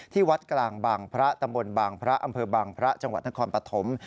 ที่วัดกลางบางพระตำบลบางพระอำเภอบางพระจังหวัดนครปฐม